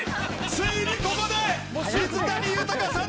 ついにここで水谷豊さん投入か？